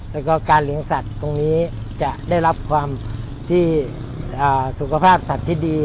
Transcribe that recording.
แล้วก็การเลี้ยงสัตว์ตรงนี้จะได้รับความที่สุขภาพสัตว์ที่ดี